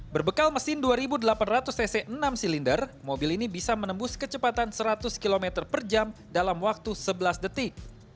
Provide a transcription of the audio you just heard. berbekal mesin dua delapan ratus cc enam silinder mobil ini bisa menembus kecepatan seratus km per jam dalam waktu sebelas detik